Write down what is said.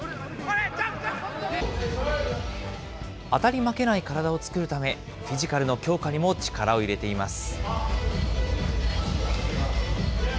当たり負けない体を作るため、フィジカルの強化にも力を入れています。